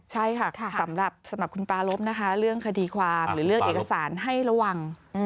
ใช่ค่ะสำหรับคุณปลารบนะคะเรื่องคดีความหรือเรื่องเอกสารให้ระวัง